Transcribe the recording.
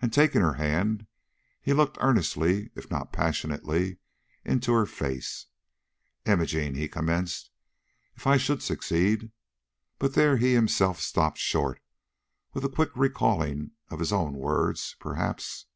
And taking her hand, he looked earnestly, if not passionately, in her face. "Imogene," he commenced, "if I should succeed " But there he himself stopped short with a quick recalling of his own words, perhaps.